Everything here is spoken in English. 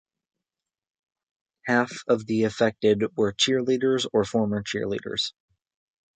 Half of the affected were cheerleaders or former cheerleaders.